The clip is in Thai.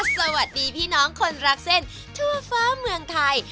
สวัสดีพี่น้องคนรักเส้นทั่วฟ้าเมืองไทย